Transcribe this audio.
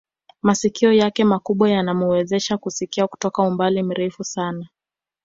Masikio yake makubwa yanamuwezesha kusikia kutoka umbali mrefu sana